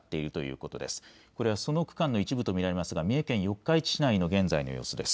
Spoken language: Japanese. これはその区間の一部と見られますが三重県四日市市内の現在の様子です。